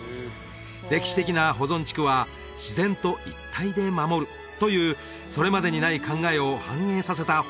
歴史的な保存地区は自然と一帯で守るというそれまでにない考えを反映させた法案が作られたのです